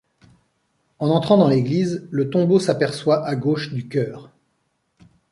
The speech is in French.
En entrant dans l'église, le tombeau s'aperçoit à gauche du chœur.